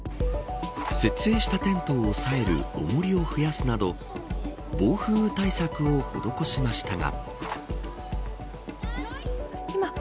設営したテントを押さえる重りを増やすなど暴風対策を施しましたが。